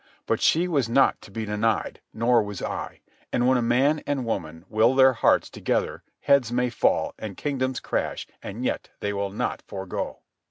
But she was not to be denied, nor was I; and when a man and woman will their hearts together heads may fall and kingdoms crash and yet they will not forgo.